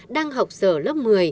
đang học sở lớp một mươi